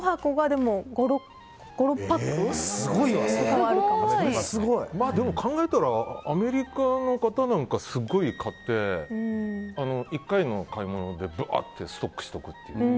でもまあ、考えたらアメリカの方なんかすごく買って１回の買い物でバーッてストックしていくという。